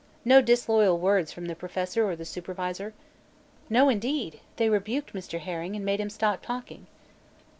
No disloyal words from the Professor or the supervisor?" "No, indeed; they rebuked Mr. Herring and made him stop talking."